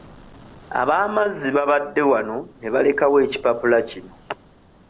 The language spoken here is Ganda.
Ab'amazzi babadde wano ne balekawo ekipapula kino.